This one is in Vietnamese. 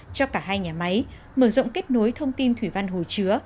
cho cả hai nhà máy mở rộng kết nối thông tin thủy văn hồ chứa